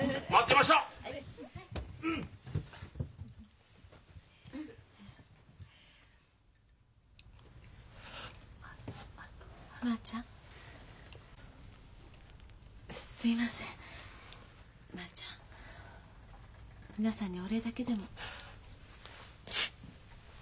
まあちゃん皆さんにお礼だけでも。